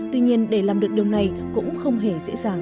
tuy nhiên để làm được điều này cũng không hề dễ dàng